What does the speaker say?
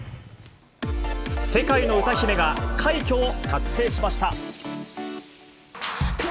世界の歌姫が快挙を達成しました。